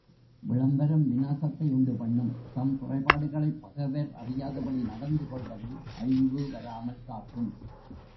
விளம்பரம் விநாசத்தை உண்டுபண்ணும் தம் குறைபாடுகளைப் பகைவர் அறியாதபடி நடந்துகொள்வது அழிவு வாராமல் காக்கும்.